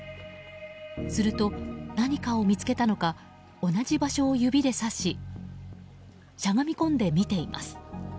すると、何かを見つけたのか同じ場所を指で指ししゃがみ込んで見ています。